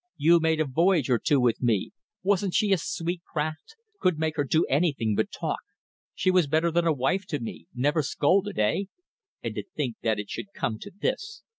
You made a voyage or two with me. Wasn't she a sweet craft? Could make her do anything but talk. She was better than a wife to me. Never scolded. Hey? ... And to think that it should come to this.